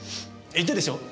言ったでしょ？